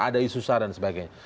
ada isu sarah dan sebagainya